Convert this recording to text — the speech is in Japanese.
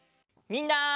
みんな！